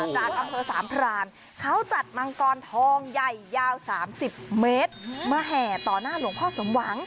จากอำเภอสามพรานเขาจัดมังกรทองใหญ่ยาว๓๐เมตรมาแห่ต่อหน้าหลวงพ่อสมหวัง